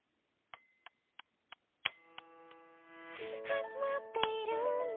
「始まっているんだ